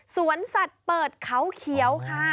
สวนสัตว์เปิดเขาเขียวค่ะ